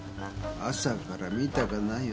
朝から見たかないよ